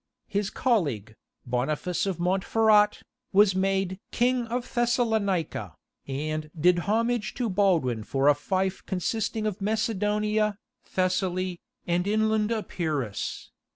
His colleague, Boniface of Montferrat, was made "King of Thessalonica," and did homage to Baldwin for a fief consisting of Macedonia, Thessaly, and inland Epirus.